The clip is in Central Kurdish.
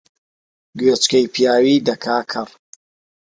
گوێچکەی پیاوی دەکا کەڕ